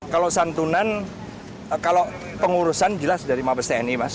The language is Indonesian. kalau santunan kalau pengurusan jelas dari mabes tni mas